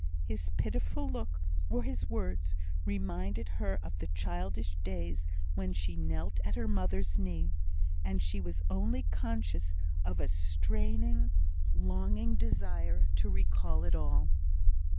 His pitiful look, or his words, reminded her of the childish days when she knelt at her mother's knee, and she was only conscious of a straining, longing desire to recall it all.